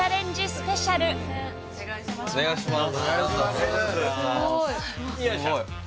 スペシャルお願いします